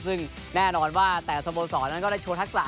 ซึ่งแน่นอนว่าแต่สโมสรนั้นก็ได้โชว์ทักษะ